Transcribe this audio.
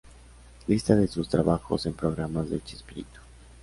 Lista de sus trabajos en programas de Chespirito.